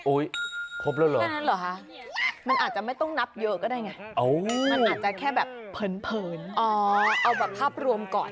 ครบแล้วเหรอคะมันอาจจะไม่ต้องนับเยอะก็ได้ไงมันอาจจะแค่แบบเผินอ๋อเอาแบบภาพรวมก่อน